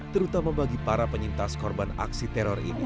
terutama bagi para penyintas korban aksi teror ini